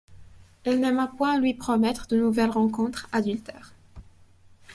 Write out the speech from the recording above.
Il n'aima point lui promettre de nouvelles rencontres adultères.